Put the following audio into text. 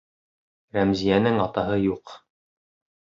Рәмзиәнең атаһы юҡ!